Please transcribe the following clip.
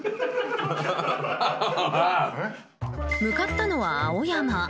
向かったのは青山。